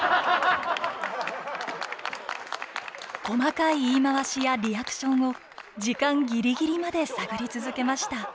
細かい言い回しやリアクションを時間ギリギリまで探り続けました。